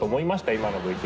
今のＶＴＲで。